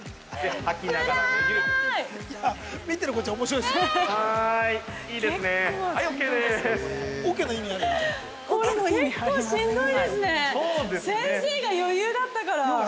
先生が余裕だったから。